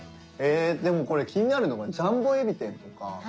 えでもこれ気になるのが「ジャンボ海老天」とか。